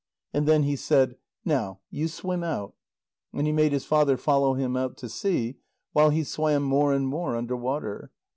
And then he said: "Now you swim out." And he made his father follow him out to sea, while he swam more and more under water.